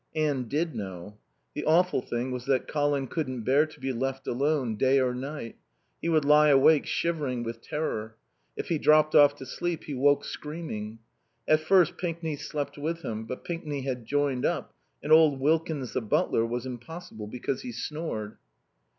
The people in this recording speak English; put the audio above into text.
Anne did know. The awful thing was that Colin couldn't bear to be left alone, day or night. He would lie awake shivering with terror. If he dropped off to sleep he woke screaming. At first Pinkney slept with him. But Pinkney had joined up, and old Wilkins, the butler, was impossible because he snored.